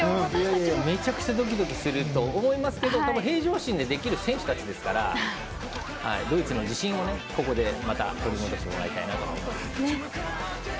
めちゃくちゃドキドキすると思いますけど多分、平常心でできる選手たちですからドイツの自信を、ここでまた取り戻してもらいたいなと思います。